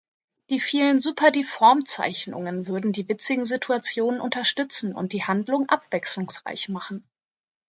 Die vielen Super-Deformed-Zeichnungen würden die witzigen Situationen unterstützen und die Handlung abwechslungsreich machen.